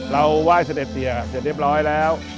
ไหว้เสด็จเสียเสร็จเรียบร้อยแล้ว